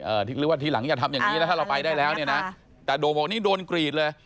หรือว่าทีหลังอย่าทำอย่างงี้แล้วถ้าเราไปได้แล้วเนี่ยนะแต่โด่งบอกนี่โดนกรีดเลย